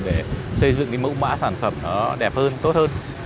để xây dựng cái mẫu mã sản phẩm nó đẹp hơn tốt hơn